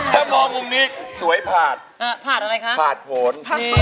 ถ้ามองมุมนี้สวยผ่าดผ่าดอะไรค่ะผ่านโผน